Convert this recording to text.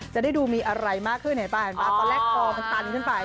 จะได้ดูมีอะไรมากขึ้นตอนแรกคอมันตันขึ้นไป